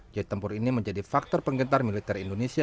jet tempur ini menjadi faktor penggentar militer indonesia